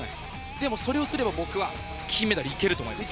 でも、それをすれば僕は金メダルいけると思います。